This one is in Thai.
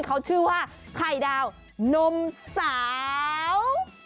เขาชื่อว่าไข่ดาวนมสาว